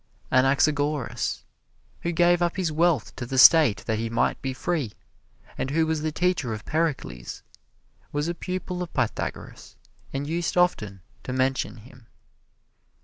Anaxagoras, who gave up his wealth to the State that he might be free, and who was the teacher of Pericles, was a pupil of Pythagoras, and used often to mention him.